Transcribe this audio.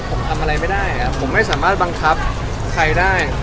ผมทำอะไรไม่ได้ผมไม่สามารถบังคับใครได้